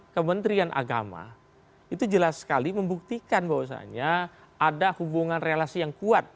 kementerian agama itu jelas sekali membuktikan bahwasannya ada hubungan relasi yang kuat